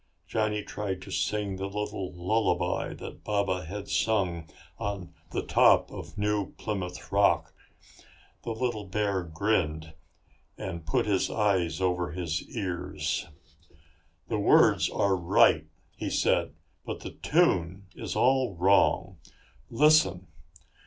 Johnny tried to sing the little lullaby that Baba had sung on the top of New Plymouth Rock. The little bear grinned and put his paws over his ears. "The words are right," he said, "but the tune is all wrong. Listen!"